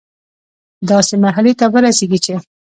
داسي مرحلې ته ورسيږي چي